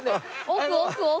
奥奥奥！